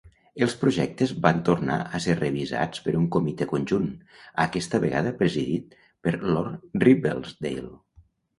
Els projectes van tornar a ser revisats per un comitè conjunt, aquesta vegada presidit per Lord Ribblesdale.